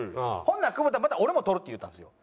ほんなら久保田また「俺も撮る」って言うたんですよ。